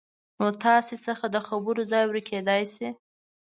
نو تاسې څخه د خبرو ځای ورکېدای شي